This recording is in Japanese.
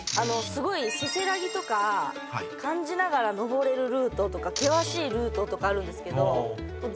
すごいせせらぎとか感じながら登れるルートとか険しいルートとかあるんですけど。